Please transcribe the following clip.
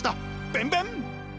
ベンベン！